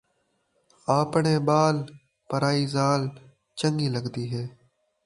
آپݨے ٻال، پرائی ذال چنڳی لڳدی ہے